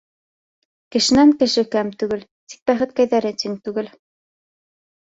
Кешенән кеше кәм түгел Тик бәхеткәйҙәре тиң түгел.